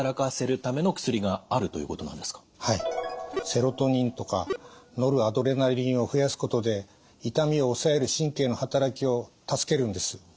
セロトニンとかノルアドレナリンを増やすことで痛みを抑える神経の働きを助けるんです。